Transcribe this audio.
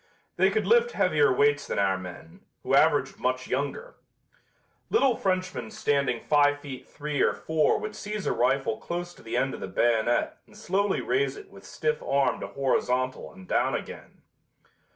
They could lift heavier weights than our men, who averaged much younger. Little Frenchmen standing five feet three or four would seize a rifle close to the end of the bayonet and slowly raise it with stiff arm to horizontal and down again.